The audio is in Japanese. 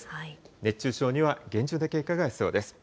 熱中症には厳重な警戒が必要です。